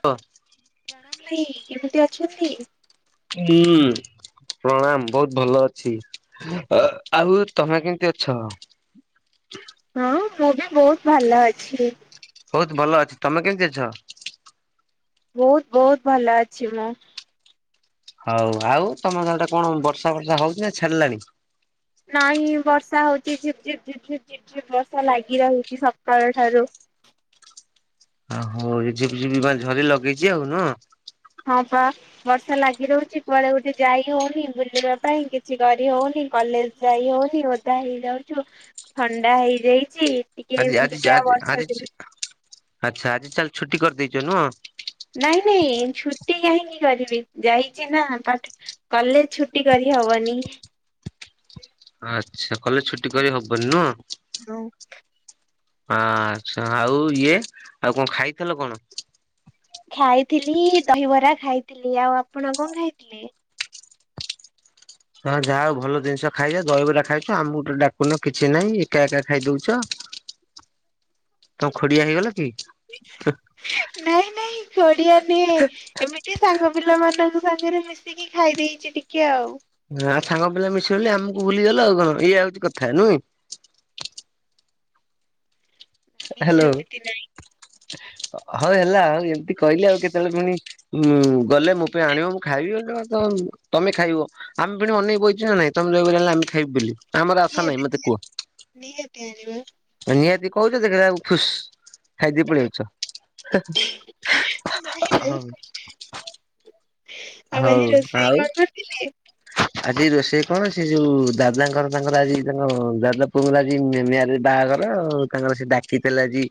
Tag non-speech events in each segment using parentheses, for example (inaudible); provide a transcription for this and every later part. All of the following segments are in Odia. ହଁ। ପ୍ରଣାମ ଭାଇ କେମିତି ଅଛନ୍ତି? ହୁଁ ପ୍ରଣାମ ବହୁତ ଭଲ ଅଛି। ଆ ଆଉ ତମେ କେମିତି ଅଛ? ହଁ ମୁଁ ବି ବହୁତ ଭଲ ଅଛି। ବହୁତ ଭଲ ଅଛି ତମେ କେମିତି ଅଛ? ବହୁତ ବହୁତ ଭଲ ଅଛି ମୁଁ। ହଉ ଆଉ ତମର ସେଆଡେ କଣ ବର୍ଷା ଫର୍ଷା ହଉଛି ନାଁ ଛାଡିଲାଣି? ନାଇଁ ବର୍ଷା ହଉଛି ଝିପ୍ ଝିପ୍ ଝିପ୍ ଝିପ୍ ଝିପ୍ ଝିପ୍ ବର୍ଷା ଲାଗି ରହିଛି ସକାଳ ଠାରୁ। ଆମର ବି ଝିପ୍ ଝିପ୍ ମାନେ ଝରି ଲଗେଇଛି ଆଉ ନୁହଁ? ହଁ ପା। ବର୍ଷା ଲାଗି ରହୁଛି କୁଆଡେ ଗୋଟେ ଯାଇ ହଉନି ବୁଲିବା ପାଇଁ କିଛି କରି ହଉନି କଲେଜ୍ ଯାଇ ହଉନି ଓଦା ହେଇଯାଉଛୁ ଥଣ୍ଡା ହେଇଯାଇଛି। ଆଜି ଟିକେ ଆଜି ଟିକେ ଆଉ ଆଜି ଆଜି ବର୍ଷା ଯୋଗୁଁ ରୁ। ଆଚ୍ଛା ଆଜି ତାହାଲେ ଛୁଟି କରିଦେଇଛ ନୁହଁ? ନାଇଁ ନାଇଁ ଛୁଟି କାହିଁକି କରିବି ଯାଇଛି ନାଁ ପାଠ କଲେଜ୍ ଛୁଟି କରି ହବନି। ଆଚ୍ଛା କଲେଜ୍ ଛୁଟି କରି ହବନି ନୁହଁ? ହୁଁ। ଆଛା ଆଉ ଇଏ ଆଉ କଣ ଖାଇଥିଲ କଣ? ଖାଇଥିଲି ଦହିବରା ଖାଇଥିଲି ଆଉ ଆପଣ କଣ ଖାଇଥିଲେ? ହଁ ଯାହା ହଉ ଭଲ ଜିନିଷ ଖାଇଚ ଦହିବରା ଖାଇଚ ଆମକୁ ଟିକେ ଡାକୁନ କିଛି ନାହିଁ ଏକା ଏକା ଖାଇ ଦଉଚ। ତମ ଖୋଡିଆ ହେଇଗଲ କି? ନାଇଁ ନାଇଁ ଖୋଡିଆ ନୁହେଁ ଏମିତି ସାଙ୍ଗ ପିଲା ମାନଙ୍କୁ ସାଙ୍ଗେରେ ମିଶିକି ଖାଇ ଦେଇଚି ଟିକେ ଆଉ। ହଁ ଆଉ ସାଙ୍ଗ ପିଲା ମିଶିଗଲେ ଆମକୁ ଭୁଲିଗଲ ଆଉ କଣ ଇଏ ହଉଚି କଥା ନୁହେଁ କି। ନାଇଁ ହାଲୋ ସେମିତି ନାଇଁ ହଉ ହେଲା ଆଉ ଏମିତି କହିଲି ଆଉ କେତେବେଳେ ପୁଣି ଉଁ- ଗଲେ ମୋ ପାଇଁ ଆଣିବ ମୁଁ ଖାଇବି ତ ତମେ ଖାଇବ ଆମେ ପୁଣି ଅନେଇ ବଇଚୁ ନା ନାଇଁ ତମେ ଯଉ (unintelligible) ଆଣିଲେ ଆମେ ଖାଇବୁ ବୋଲି। ଆମର ଆଶା ନାହିଁ ମତେ କୁହ (unintelligible) ନିହାତି କହୁଚ ଦେଖିଲା ବେଳକୁ ଫୁସ୍। ଖାଇଦେଇ ପଳେଇ ନାଇଁ ଆଉଚ ନାଇଁ ହ- ହଉ। ଆଉ ହଉ ଆଜି ରୋଷେଇ ଆଉ କଣ କରିଥିଲେ? ଆଜି ରୋଷେଇ କଣ ସେ ଯଉ ଦାଦାଙ୍କର ତାଙ୍କର ଆଜି ତାଙ୍କ ଦାଦା ପୁଅଙ୍କର‌ ଆଜି ମ୍ୟାରେଜ୍ -ବାହାଘର ଆଉ ତାଙ୍କର ସେ ଡାକିଥିଲେ ଆଜି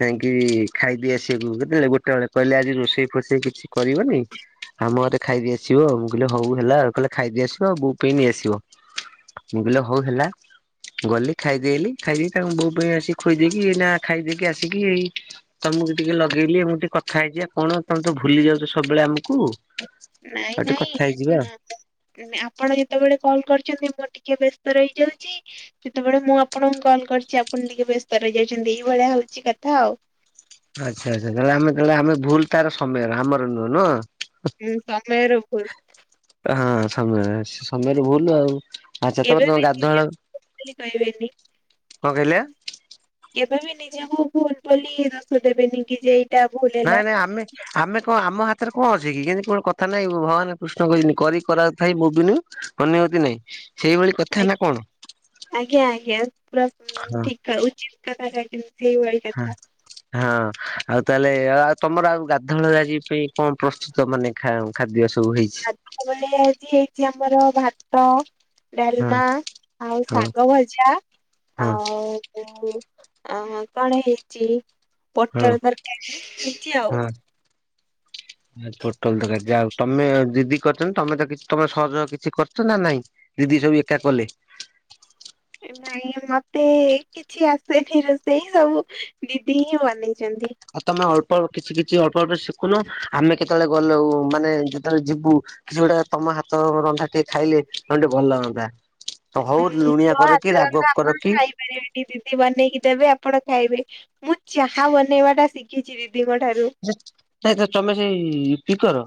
ଯାଇଁକି ଖାଇଦେଇ ଆସିବାକୁ କେତେବେଳେ ଗୋଟେ ବେଳେ କହିଲେ ଆଜି ରୋଷେଇ ଫୋଷେଇ କିଛି କରିବନି ଆମ ଘରେ ଖାଇଦେଇ ଆସିବ ମୁଁ କହିଲେ ହଉ ହେଲା ଆଉ କହିଲେ ଖାଇଦେଇ ଆସିବ ଆଉ ବୋଉ ପାଇଁ ନେଇ ଆସିବ। ମୁଁ କହିଲେ ହଉ ହେଲା ଗଲି ଖାଇଦେଲି ଖାଇଦେଇ ତାଙ୍କୁ ବୋଉ ପାଇଁ ଆସି ଖୋଇଦେଇକି ଏ- ନା ଖାଇଦେଇକି ଆସି କି ଏଇ ତମକୁ ଟିକେ ଲଗେଇଲି ମୁଁ ଟିକେ କଥା ହେଇଯିବା କଣ ତମେ ତ ଭୁଲି ଯାଉଚ ସବୁବେଳେ ଆମୁକୁ। ନାଇଁ ନାଇଁ (unintelligible) ଆପଣ ଯେତେବେଳେ କଲ୍ କରିଚନ୍ତି ମୁଁ ଟିକେ ବ୍ୟସ୍ତ ରହିଯାଉଚି ଯେତେବେଳେ ମୁଁ ଆପଣଙ୍କୁ କଲ୍ କରିଚି ଆପଣ ଟିକେ ବ୍ୟସ୍ତ ରହି ଯାଇଚନ୍ତି ଏଇ ଭଳିଆ ହଉଚି କଥା ଆଉ। ଆଚ୍ଛା ଆଚ୍ଛା ତାହେଲେ ଆମେ ତାହେଲେ ଆମେ ଭୁଲ୍ ତାର ସମୟର ଆମର ନୁହେଁ- ନୁହଁ। ହୁଁ ସମୟର ଭୁଲ୍। ହଁ ସମୟ- ସମୟର ଭୁଲ୍ ଆଉ। ଆଚ୍ଛା ତମର କେବେ ତମ ବି ନିଜ ଗାଧୁଆଳ- ବୋଲି କହିବେନି। କଣ କହିଲେ? କେବେ ବି ନିଜକୁ ଭୁଲ୍ ବୋଲି ଦୋଷ ଦେବେନି କି ଯେ ଏ ନାଇଁ ନାଇଁ ଆମେ ଆମେ କଣ ଆମ ହାତରେ କଣ ଅଛି କି କିନ୍ତି କଣ କଥା ନାହିଁ ଭଗବାନ୍ କୃଷ୍ଣଙ୍କୁ ଯେମିତି କରି କରାଉ ଥାଏ ମୋବିିନୁ ଅନ୍ୟଗତି ନାଇଁ ସେଇଭଳି କଥା ଆ- ନା କଣ ଆଜ୍ଞା -ଆଜ୍ଞା ପୁରା ହଁ ଠିକ୍ -ଉଚିତ୍ କଥା କହିଚନ୍ତି ସେଇଭଳି। ହୁଁ। କଥା। ହଁ ଆଉ ତାହେଲେ ଆଉ ତମର ଆଉ ଗାଧୁଆଳରେ ଆଜି ପାଇଁ କଣ ପ୍ରସ୍ତୁତ ମାନେ ଖାଦ୍ୟ ସବୁ ହେଇଚି? (unintelligible) ଆଜି ହେଇଚି ଆମର ଭାତ ହଁ ଡାଲ୍ମା ଆଉ ହଁ ଶାଗ ଭଜା ହଁ ଆଉ ଓ- ଆଉ କଣ ହେଇଚି ପୋଟଳ ହଁ ତରକାରୀ ହେଇଚି ଆଉ। ପୋଟଳ ତରକାରୀ ଯାହଉ ତମେ ଦିଦି କରିଚନ୍ତି ତମେ ତ ତମେ ସହଜ କିଛି କରିଚ ନା ନାଇଁ? ଦିଦି ସବୁ ଏକା କଲେ? ନାଇଁ ମତେ କି କିଛି ଆସେନି ରୋଷେଇ ସବୁ ଦିଦି ହିଁ ବନେଇଚନ୍ତି। ଆଉ ତମେ ଅଳ୍ପ କିଛି କିଛି ଅଳ୍ପ ଅଳ୍ପ ଶିକୁନ ଆମେ କେତେବେଳେ ଗଲୁ ମାନେ ଯେତେବେଳେ ଯିବୁ କିଛି ଗୁଟେ ତମ ହାତ ରନ୍ଧା ଟିକେ ଖାଇଲେ ଆମକୁ ଟିକେ ଭଲ ଲାଗନ୍ତା। ତ ହଉ ଉଁ ଲୁଣିଆ ତ କର ହାତ କିି ରାଗ ରନ୍ଧା ଆପଣ କର କିି ଖାଇପାରିବେନି ଦିଦି ବନେଇକି ଦେବେ ଆପଣ ଖାଇବେ ମୁଁ ଚାହା ବନେଇବା ଟା ଶିକିଚି ଦିଦିଙ୍କ ଠାରୁ। ସେ ତମେ ସେ ପିକର।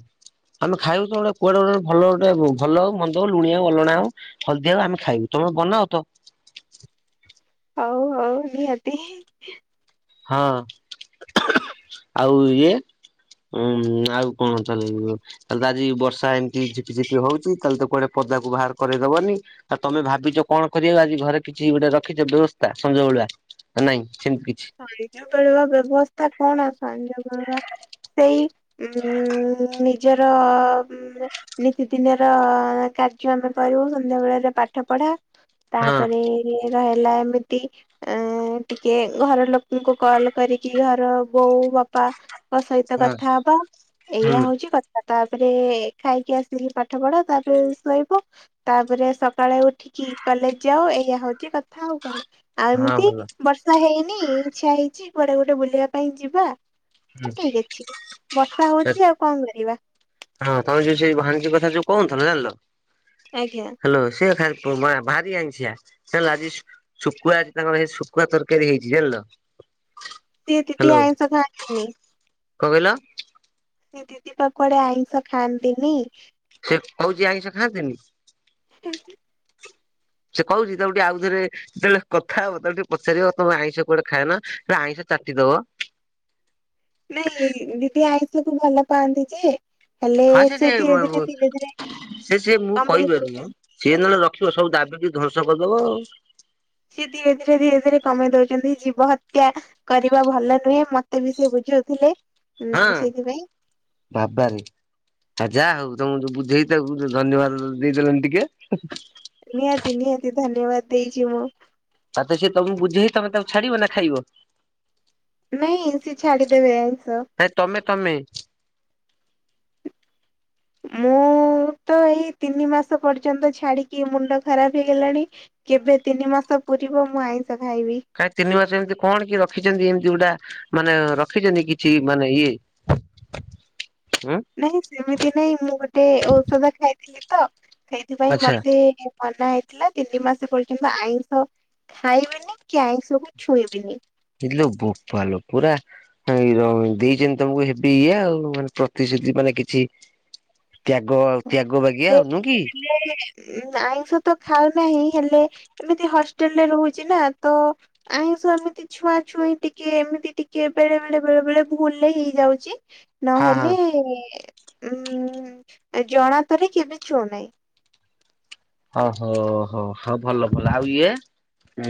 ଆମେ ଖାଇବୁ ତ ଗୋଟେ କୁଆଡେ ଗୋଟେ ଭଲ ଗୋଟେ ଭଲ ହୋଉ ମନ୍ଦ ହଉ ଲୁଣିଆ ଅଲଣା ହଉ। ହଲଦିଆ ହୋଉ ଆମେ ଖାଇବୁ ତମେ ବନାଅ ତ। ହଉ ହଉ ନିହାତି। ହଁ ଆଉ ଇଏ ଉଁ ଆଉ କଣ ଚା ଲିବ ତାହେଲେ ଆଜି ବର୍ଷା ଏମିତି ଝିପିଝପି ହଉଚି ତାହେଲେ ତ କୁଆଡେ ପଦାକୁ ବାହାର କରେଇଦବନି। ଆଉ ତମେ ଭାବିଛ କଣ କରିବା ଆଜି ଘରେ କିଛି ଗୋଟେ ରଖିଛ ବ୍ୟବସ୍ଥା ସଞ୍ଜ ବେଳୁଆ। ନାଇଁ ସେମ କିଛି। ସଞ୍ଜ ବେଳୁଆ ବ୍ୟବସ୍ଥା କଣ ସଞ୍ଜ ବେଳୁଆ। ସେଇ ଉଁ ନିଜର ନିତିଦିନ ର କାର୍ଯ୍ୟ ଆମେ କରିବୁ ସନ୍ଧ୍ୟା ବେଳାରେ ପାଠ ପଢା। ହଁ ତାପରେ ଏରା ହେଲା ଏମିତି ଆଁ ଟିକେ ଘର ଲୋକଙ୍କୁ କଲ କରିକି ଘର ବୋଉ ବାପା। ଙ୍କ ସହିତ ହଁ କଥା ହବା ଏଇଆ ହୁଁ ହଉଛି କ ଆ ତାପରେ ଖାଇକି ଆସିଲି ପାଠ ପଢା ତାପରେ ଶୋଇବୁ। ତାପରେ ସକାଳେ ଉଠିକି କଲେଜ ଯାଅ ଏଇଆ ହଉଛି କଥା ଆଉ କଣ। ଆଉ ହଁ ଏମିତି ଭଲ ବର୍ଷା ହେଇନି ଇଚ୍ଛା ହେଇଚି କୁଆଡେ ଗୋଟେ ବୁଲିବା ପାଇଁ ଯିବା। ଠିକ ଅଛି ବର୍ଷା ହୁଁ। ହଉଛି ଆଉ କଣ କରିବା। ହଁ ତମେ ଯୋଉ ସେଇ ଭାନିଜି କଥା ଯୋ କହୁନଥିଲ ଜାଣିଲ। ଆଜ୍ଞା। ହାଲୋ ସେ ଖା ଭାରି ଆଇଁଶିଆ ହେଲା ଆଜି ଶୁଖୁଆ ଆଜି ତାଙ୍କର ହେଇ ଶୁଖୁଆ ତରକାରୀ ହେଇଚି ଜାଣିଲ। ସିଏ ଦିଦି ଆଇଁଷ ଖାଆନ୍ତିନି। କ କହିଲ? ଦିଦି ପା କୁଆଡେ ଆଇଁଷ ଖାଆନ୍ତିନି। ସେ କହୁଛି ଆଇଁଷ ଖାଆନ୍ତିନି। ହୁଁ ହୁଁ। ସେ କହୁଛି ତାକୁ ଟିକେ ଆଉଥରେ ଯେତେବେଳେ କଥା ହବ ତାକୁ ଟିକେ ପଚାରିବ ତମେ ଆଇଁଷ କୁଆଡେ ଖାଏନା ଆଇଁଷ ଚାଟିଦବ। (inaudible) ନାଇଁ ଦିଦି ଆଇଁଷକୁୁ ଭଲ ପାଆନ୍ତି ଯେ। ହେଲେ ହଁ ଯେ ସେ ଧୀରେ ଧୀରେ ଧୀରେ ଧୀରେ ସେ ସେ ମୁଁ କମେଇ କହିପାରୁନି ମ ଦଉଛନ୍ତି। ସିଏ ନହେଲେ ରଖିବ ସବୁ ଦାବି କି ଧ୍ୱଂସ କରିଦବ ଆଉ। ସିଏ ଧୀରେ ଧୀରେ ଧୀରେ ଧୀରେ କମେଇ ଦଉଛନ୍ତି ଜୀବ ହତ୍ୟା କରିବା ଭଲ ନୁହେଁ ମତେ ବି ସେ ବୁଝଉଥିଲେ। ହୁଁ ହଁ ସେଇଥିପାଇଁ ବାବାରେ। ଆ ଯାହା ହଉ ତମକୁ ଯୋଉ ବୁଝେଇଚି ତାକୁ ଧନ୍ୟବାଦ ଦେଇଦେଲନି ଟିକେ। ନିହାତି ନିହାତି ଧନ୍ୟବାଦ ଦେଇଛି ମୁଁ। ତତେ ସିଏ ତମକୁ ବୁଝେଇ ତମେ ତାକୁ ଛାଡିବ ନା ଖାଇବ? ନାଇଁ ସେ ଛାଡିଦେବେ ଆଇଁଷ। ହେ ତମେ ତମେ। ମୁଁ ତ ଏଇ ତିନି ମାସ ପର୍ଯ୍ୟନ୍ତ ଛାଡିକି ମୁଣ୍ଡ ଖରାପ ହେଇଗଲାଣି। କେବେ ତିନି ମାସ ପୁରିବ ମୁଁ ଆଇଁଷ ଖାଇବି। କାଇଁ ତିନି ମାସ ଏମିତି କଣ କି ରଖିଛନ୍ତି ଏମତି ଗୁଟା ମାନେ ରଖିଛନ୍ତି କିଛି ମାନେ ଇଏ ହଁ ନାଇଁ ସେମିତି ନାଇଁ ମୁଁ ଗୋଟେ ଔଷଧ ଖାଇଥିଲି ତ ସେଇଥିପାଇଁ ଆଚ୍ଛା ମତେ ମନା ହେଇଥିଲା ତିନି ମାସ ପର୍ଯ୍ୟନ୍ତ ଆଇଁଷ ଖାଇବିନି କି ଆଇଁଷକୁ ଛୁଇଁବିନି। ଇଲୋ ବୋପାଲୋ ପୁରା ର ଦେଇଛନ୍ତି ତମକୁ ହେବି ଇଏ ଆଉ ମାନେ ପ୍ରତିଶ୍ରୁତି ମାନେ କିଛି ତ୍ୟାଗ ତ୍ୟାଗ ବାଗିଆ ଏ ଆଉ ନୁହେ କି ଆଇଁଷ ତ ଖାଉ ନାହିଁ ହେଲେ ଏମିତି ହଷ୍ଟେଲ ରେ ରହୁଛି ନା ତ ଆଇଁଷ ଏମିତି ଛୁଆ ଛୁଇଁ ଟିକେ ଏମିତି ଟିକେ ବେଳେ ବେଳେ ବେଳେ ବେଳେ ଭୁଲ ରେ ହେଇଯାଉଛି। ହଁ ହଁ। ନହେଲେ ଉ ଜଣାତରେ କେବେ ଛୁଉଁ ନାହିଁ। ହ ହୋ ହୋ ହଉ ଭଲ ଭଲ ଆଉ ଇଏ ଉ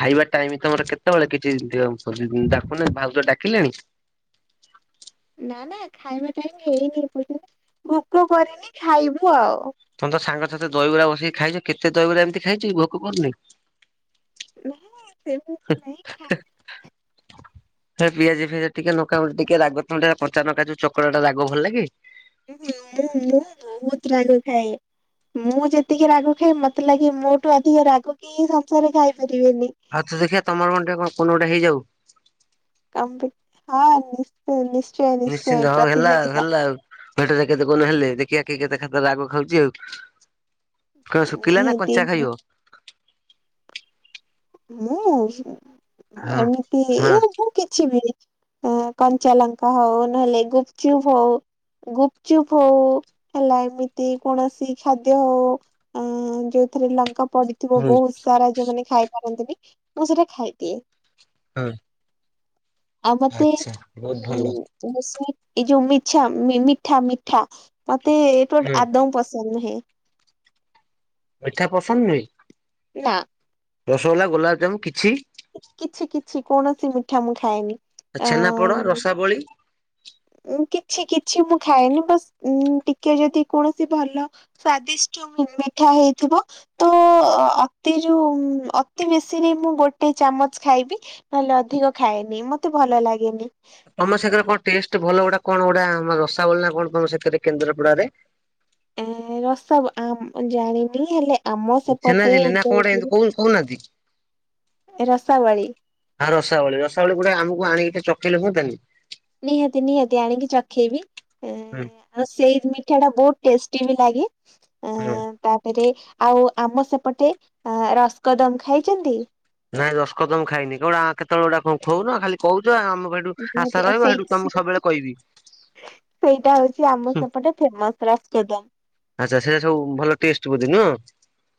ଖାଇବା ଟାଇମ ତମର କେତେବେଳେ କିଛି ଡାକୁନ ଭାଉଜ ଡାକିଲେଣି? ନା ନା ଖାଇବା ଟାଇମ ହେଇନି କ ଭୋକ କରିନି ଖାଇବୁ ଆଉ ତମ ତ ସାଙ୍ଗସାଥି ଦହିବରା ବସିକି ଖାଇଛ କେତେ ଦହିବରାଏମିତି ଖାଇଛି ଭୋକ କରୁନି। ନା ସେମିତି ନାଇଁ ଖାଏ ହେ ପିଆଜି ଫିଆଜି ଟିକେ ନକାମ ଟିକେ ରାଗ ଥ ଟେ କଞ୍ଚାନଙ୍କା ଚୁ ଚକଟା ରାଗ ଭଲ ଲାଗେ। ହ ମୁଁ ମୁଁ ବହୁତ ରାଗ ଖାଏ ମୁଁ ଯେତିକି ରାଗ ଖାଏ ମତେ ଲାଗେ ମୋଠୁ ଅଧିକ ରାଗ କି ସଂସାରରେ ଖାଇପାରିବେନି। ହଉ ତ ଦେଖିବା ତମର ଗଣ୍ଡ ଟେ କୁ ଗୋଟେ ହେଇଯାଉ କ ହଁ ନି୍ଚ ନିଶ୍ଚୟ ନିଶ୍ଚୟ ପ୍ରତିଯୋଗିତା ଭେଟରେ କେତେ କଣ ହେଲେ ଦେଖିବା କିଏ କେତେ ଖାଦ ରାଗ ଖାଉଛି ଆଉ କଣ ଶୁଖିଲା ନା ନିହାତି। କଞ୍ଚା ଖାଇବ। ମୁଁ ହଁ ଏମିତି ହଁ ମୁଁ କିଛିିବ ଅ କଞ୍ଚାଲଙ୍କା ହଉ ନହେଲେ ଗୁପଚୁପ ହଉ ଗୁପଚୁପ୍ ହଉ ହେଲା ଏମିତି କୌଣସି ଖାଦ୍ୟ ହଉ (unintelligible) ଯୋଉଥିରେ ଲଙ୍କା ପଡିଥିବ ହୁଁ ବହୁତ ସାରା ଯୋଉମାନେ ଖାଇ ପାରନ୍ତିନି ମୁଁ ସେଟା ଖାଇଦିଏ। ହୁଁ। ଆଉ ମତେ ବହୁତ ଭଲ। ଉ ଏ ଯୋଉ ମିଝା ମିଠା ମିଠା ମିଠା ମତେ ଏଇଠୁ ଗୋଟେ ହୁଁ ଆଦୌ ପସନ୍ଦ ନୁହେଁ। ମିଠା ପସନ୍ଦ ନୁହେଁ। ନା। ରସଗୋଲା ଗୋଲାପଜାମୁନ କିଛି? କିଛି କିଛି କୌଣସି ମିଠା ମୁଁ ଖାଏନି। ଆଉ ଅ ଛେନାପୋଡା ରସାବଳି। ଉ କିଛି କିଛି ମୁଁ ଖାଏନି ବସ୍ ଉ ଟିକେ ଯଦି କୌଣସି ଭଲ ସ୍ଵାଦିଷ୍ଟ ମିଠା ହେଇଥିବ। ତ ଅତିରୁ ଅତି ବେଶୀରେ ମୁଁ ଗୋଟେ ଗୋଟେ ଚାମଚ ଖାଇବି ନହେଲେ ଅଧିକ ଖାଏନି ମତେ ଭଲ ଲାଗେନି। ତମ ସେଥିରେ କଣ ଟେଷ୍ଟ ଭଲ ଗୋଟା କଣ ଗୋଟା ଆମ ରସାବଳି ନା କଣ ତମ ସେଥିରେ କେନ୍ଦ୍ରାପଡାରେ ଏ ରସ ଆ ଜାଣିନି ହେଲେ। ଆମ ସେପଟେ ଛେନାଝିଲି ନା କଣ ଗୋଟେ ଏମିତି ଉଦୟଗିରି କହୁ କହୁନାହାନ୍ତି ରସାବଳି। ହଁ ରସାବଳୀ ରସାବଳି ଗୋଟେ ଆମକୁ ଆଣିକି ଚଖେଇଲେ ହୁଅନ୍ତତାନି ନିହାତି ନିହାତି ଆଣିକି ଚଖେଇବି। ହୁଁ ଆଉ ସେଇ ମିଠା ଟା ବହୁତ ଟେଷ୍ଟି ବି ଲାଗେ। ଖାଇବ। ତାପରେ ଆଉ ଆମ ସେପଟେ ଆଁ ରସ କଦମ ଖାଇଛନ୍ତି। ନାଇଁ ରସ କଦମ ଖାଇନି କେବଳ ଆଁ କେତେବେଳେ ଗୋଟା କଁ ଖୋଉନ ଖାଲି କହୁଛ ଆମକୁ ସେଉ ଠୁ ଆଶା ଯୋଉ ରହିବ ସେଇ ସେଇଠୁ ତମକୁ ସବୁବେଳେ କହିବି। ସେଇଟା ହଉଛି ଆମ ସେପଟେ ଫେମସ ରାସ କଦମ। ଆଚ୍ଛା ସେଇଟା ସବୁ ଭଲ ଟେଷ୍ଟ ବୋଧେ ନୁହଁ।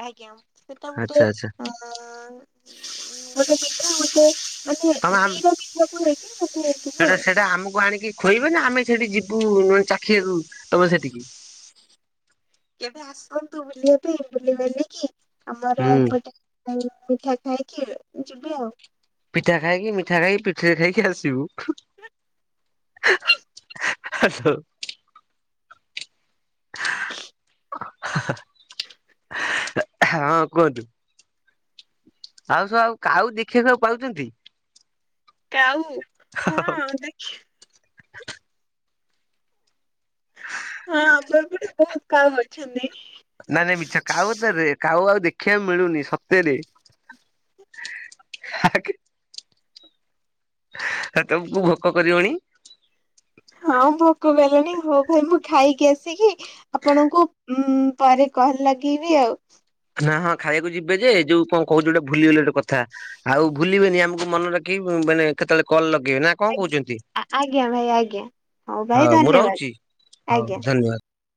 ଆଜ୍ଞା ସେଟା ଆଚ୍ଛା ଆଚ୍ଛା ଗୋଟେ ଆଁ ଗୋଟେ ମିଠା ଗୋଟେ। ମାନେ ତମେ ଆମ ଦିଟା ମିଠା କୁ ନେଇକ ଗୋଟେ। ହେଇଥିବ ସେଟା ଆଉ। ସେଟା ଆମକୁ ଆଣିକି ଖୋଇବେ ନା ଆମେ ସେଠି ଯିବୁେ ମାନେ ଚାଖିବାକୁ ତମ ସେଠିକି। କେବେ ଆସନ୍ତୁ ବୁଲିବା ପାଇଁ ବୁଲି ବାଲି କି ଆମର ହୁଁ ଏପଟେ। ଆଉ ମିଠା ଖାଇକି ଯିବେ ଆଉ। ପିଠା ଖାଇକି ମିଠା ଖାଇକି ପିଠିରେ ଖାଇକି ଆସିବୁ। ହାଲୋ। ହଁ କୁହନ୍ତୁ। ଆଉ ସବୁ ଆଉ କାଉ ଦେଖିବାକୁ ଆଉ ପାଉଛନ୍ତି। କାଉ ହଁ ଦେଖେ। ହଁ ଆମ ଏପଟେ ବହୁତ କାଉ ଅଛନ୍ତି। ନାଇଁ ନାଇଁ ମିଛ କାଉ ଏତେରେ କାଉ ଆଉ ଦେଖିବାକୁ ମିଳୁନି ସତେରେ। ହାକ୍। ହେ ତମକୁ ଭୋକ କରିବଣି। ହଁ ଭୋକ କଲଣି ହଉ ଭାଇ ମୁଁ ଖାଇକି ଆସିକି। ଆପଣଙ୍କୁ ଉଁ ପରେ କଲ୍ ଲାଗେଇବି ଆଉ। ନା ହଁ ଖାଇବାକୁ ଯିବେ ଯେ ଯୋଉ କଁ କହୁଛି ଗୋଟେ ଭୁଲି ଗଲି ଗୋଟେ କଥା ଆଉ। ଭୁଲିବେନି ଆମକୁ ମନେ ରଖି ମାନେ ଫେଣେ କେତେ ବେଳେ କଲ୍ ଲଗେଇବେ ନା। କଁ କହୁଛନ୍ତି ଆଜ୍ଞା ଭାଇ ଆଜ୍ଞା ଭାଇ ହଉ ମୁଁ ଧନ୍ୟବାଦ ରହୁଛି ହଉ ଆଜ୍ଞା। ଧନ୍ୟବାଦ।